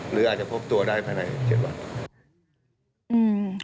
หรืออาจจะพบตัวได้ภายใน๗วัน